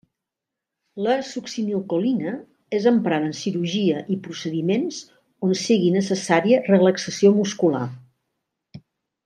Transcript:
La succinilcolina és emprada en cirurgia i procediments on sigui necessària relaxació muscular.